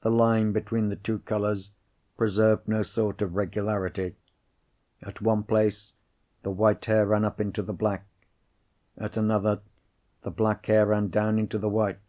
The line between the two colours preserved no sort of regularity. At one place, the white hair ran up into the black; at another, the black hair ran down into the white.